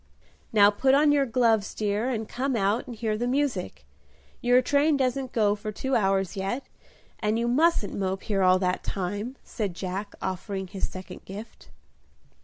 "Now put on your gloves, dear, and come out and hear the music: your train doesn't go for two hours yet, and you mustn't mope here all that time," said Jack, offering his second gift.